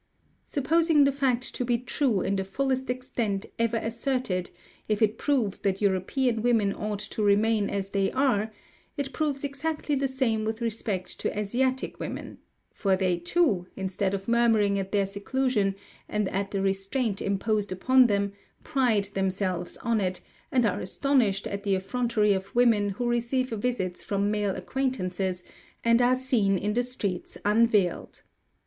Supposing the fact to be true in the fullest extent ever asserted, if it proves that European women ought to remain as they are, it proves exactly the same with respect to Asiatic women; for they too, instead of murmuring at their seclusion, and at the restraint imposed upon them, pride themselves on it, and are astonished at the effrontery of women who receive visits from male acquaintances, and are seen in the streets unveiled.